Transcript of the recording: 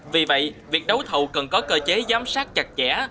vì vậy việc đấu thầu cần có cơ chế giám sát chặt chẽ